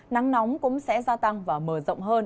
nắng nóng cũng sẽ gia tăng và mở rộng hơn